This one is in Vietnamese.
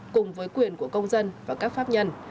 cùng với quyền của công dân và các pháp nhân